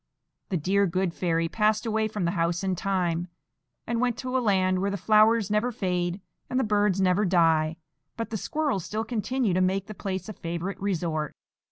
The dear good fairy passed away from the house in time, and went to a land where the flowers never fade and the birds never die; but the squirrels still continue to make the place a favourite resort.